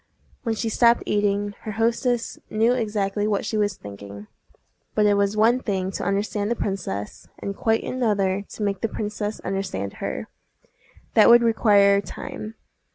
When she stopped eating, her hostess knew exactly what she was thinking; but it was one thing to understand the princess, and quite another to make the princess understand her: that would require time.